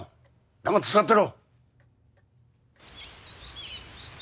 黙って座ってろ。